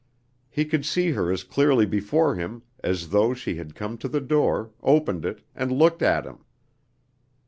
He could see her as clearly before him as though she had come to the door, opened it, and looked at him.